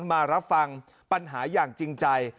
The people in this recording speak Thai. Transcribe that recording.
มารับฟังปัญหาอย่างจริงใจ